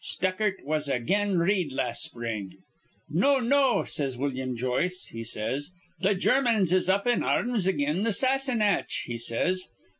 'Stuckart was again Reed las' spring.' 'No, no,' says Willum Joyce, he says. 'Th' Germans is up in ar rms again th' Sassenach,' he says.